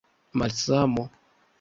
malsamo